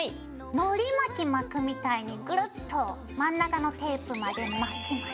のり巻き巻くみたいにグルッと真ん中のテープまで巻きます。